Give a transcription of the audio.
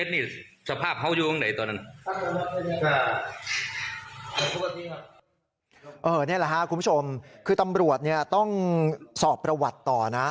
นี่แหละครับคุณผู้ชมคือตำรวจต้องสอบประวัติต่อนะ